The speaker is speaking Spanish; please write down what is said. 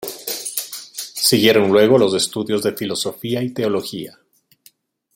Siguieron luego los estudios de filosofía y teología.